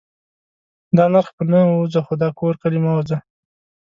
دا نرخ په نه. ووځه خو دا کور کلي مه ووځه